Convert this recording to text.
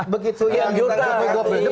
begitu yang jokowi